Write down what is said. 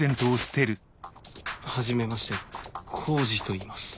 はじめまして浩二といいます。